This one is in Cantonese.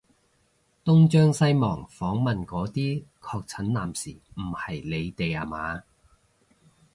東張西望訪問嗰啲確診男士唔係你哋吖嘛？